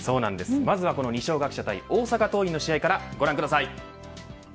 まずは二松学舎対大阪桐蔭の試合からご覧ください。